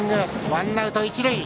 ワンアウト、一塁。